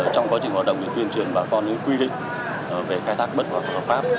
trong quá trình hoạt động tuyên truyền bà con quy định về khai thác bất hợp pháp pháp